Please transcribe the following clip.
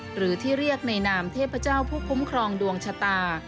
หรือที่เรียกในนามเทพเจ้าผู้คุ้มครองดวงชะตา